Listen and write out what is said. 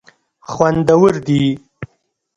خوندور دي.